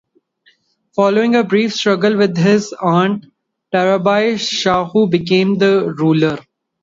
Following a brief struggle with his aunt Tarabai, Shahu became ruler.